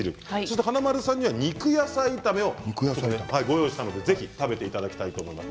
華丸さんには肉野菜炒めをご用意したのでぜひ食べていただきたいと思います。